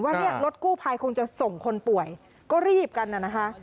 เนี่ยรถกู้ภัยคงจะส่งคนป่วยก็รีบกันน่ะนะคะ